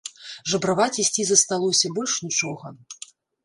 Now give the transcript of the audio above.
Жабраваць ісці засталося, больш нічога.